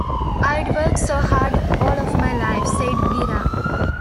"I'd worked so hard all my life", said Gira.